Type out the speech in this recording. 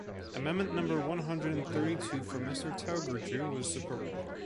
Amendment number one hundred and thirty two from Mr Taugourdeau was supported.